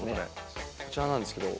こちらなんですけど。